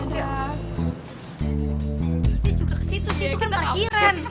dia juga kesitu sih itu kan parkiran